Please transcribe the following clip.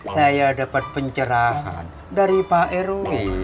saya dapat pencerahan dari pak rw